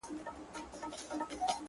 نه مي د چا پر زنكون خـوب كـــړيــــــــدى,